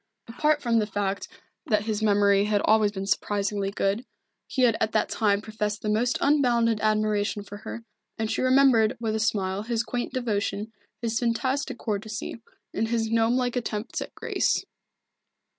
Apart from the fact that his memory had always been surprisingly good, he had at that time professed the most unbounded admiration for her, and she remembered with a smile his quaint devotion, his fantastic courtesy, and his gnome like attempts at grace.